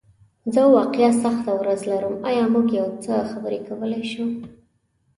زه واقعیا سخته ورځ لرم، ایا موږ یو څه خبرې کولی شو؟